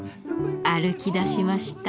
歩きだしました！